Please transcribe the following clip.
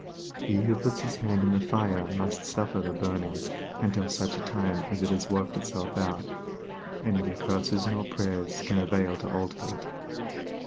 He who puts his hand in the fire must suffer the burning until such time as it has worked itself out, and neither curses nor prayers can avail to alter it.